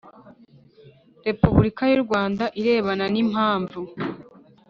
repubulika y u Rwanda arebana n impamvu